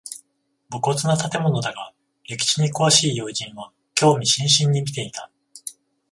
無骨な建物だが歴史に詳しい友人は興味津々に見ていた